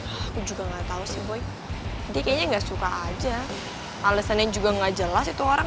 aku juga gak tau sih boy dia kayaknya gak suka aja alesannya juga gak jelas itu orang